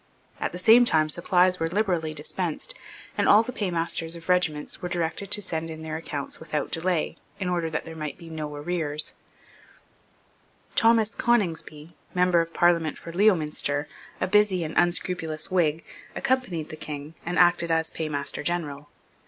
At the same time supplies were liberally dispensed; and all the paymasters of regiments were directed to send in their accounts without delay, in order that there might be no arrears, Thomas Coningsby, Member of Parliament for Leominster, a busy and unscrupulous Whig, accompanied the King, and acted as Paymaster General.